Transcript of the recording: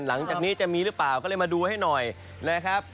หลังจากนี้จะมีหรือเปล่าก็เลยมาดูให้หน่อยนะครับ